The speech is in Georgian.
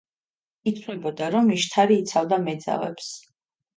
ითვლებოდა, რომ იშთარი იცავდა მეძავებს.